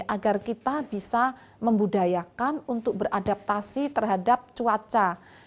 agar kita bisa membudayakan untuk beradaptasi terhadap cuaca